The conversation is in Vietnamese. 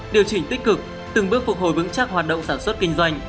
điều chỉnh tích cực từng bước phục hồi vững chắc hoạt động sản xuất kinh doanh